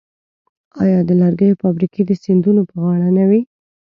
آیا د لرګیو فابریکې د سیندونو په غاړه نه وې؟